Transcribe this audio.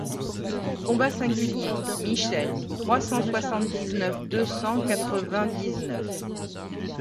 Combat singulier, Michel, trois cent soixante-dix-neuf deux cent quatre-vingt-dix-neuf.